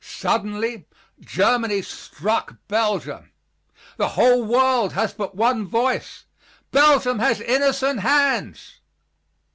Suddenly, Germany struck Belgium. The whole world has but one voice, "Belgium has innocent hands."